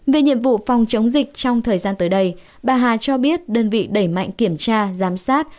về nhiệm vụ phòng chống dịch trong thời gian tới đây bà hà cho biết đơn vị đẩy mạnh kiểm tra giám sát